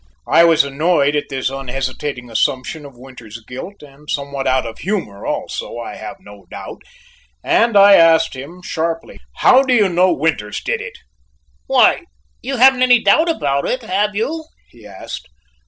I was annoyed at this unhesitating assumption of Winters's guilt, and somewhat out of humor also, I have no doubt, and I asked him sharply: "How do you know Winters did it?" "Why, you haven't any doubt about it, have you?" he asked.